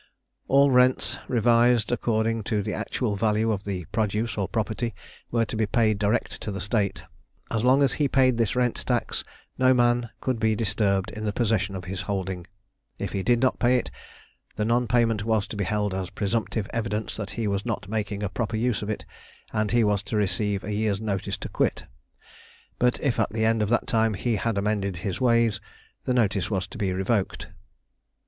All rents, revised according to the actual value of the produce or property, were to be paid direct to the State. As long as he paid this rent tax no man could be disturbed in the possession of his holding. If he did not pay it the non payment was to be held as presumptive evidence that he was not making a proper use of it, and he was to receive a year's notice to quit; but if at the end of that time he had amended his ways the notice was to be revoked.